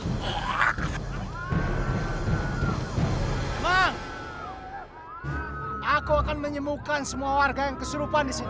emang aku akan menyembuhkan semua warga yang keserupan disini